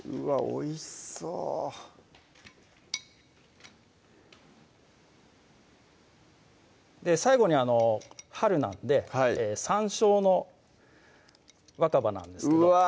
おいしそう最後に春なんでさんしょうの若葉なんですけどうわ